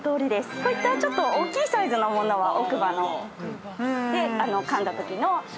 こういったちょっと大きいサイズのものは奥歯で噛んだ時の食感を見るためのもの